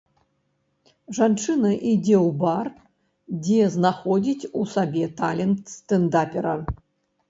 Жанчына ідзе ў бар, дзе знаходзіць у сабе талент стэндапера.